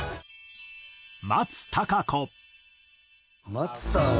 「松さんは」